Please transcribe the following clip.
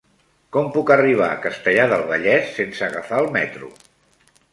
Com puc arribar a Castellar del Vallès sense agafar el metro?